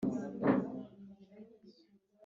yikomye ku gahanga amufata akaboko aseka,